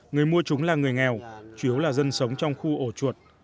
người mua chúng là người nghèo chủ yếu là dân sống trong khu ổ chuột